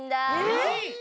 えっ⁉